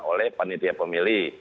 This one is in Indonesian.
oleh panitia pemilih